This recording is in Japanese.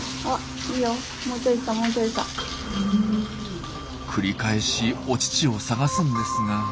繰り返しお乳を探すんですが。